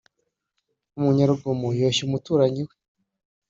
umunyarugomo yoshya umuturanyi we